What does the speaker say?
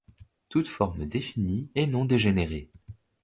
Toute forme définie est non dégénérée.